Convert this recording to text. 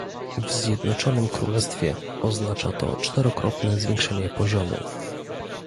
W Zjednoczonym Królestwie oznacza to czterokrotne zwiększenie poziomu